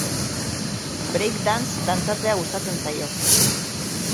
Break dance dantzatzea gustatzen zaio.